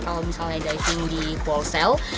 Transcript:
kalau misalnya diving di ball cell